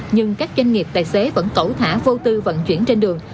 nhưng các doanh nghiệp tài xế vẫn cẩu thả vô tư vận chuyển trên đường